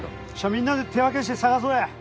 みんなで手分けして捜そうや。